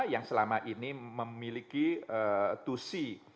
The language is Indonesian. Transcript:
yang selama ini memiliki tusi